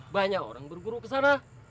banyak orang berguru kesana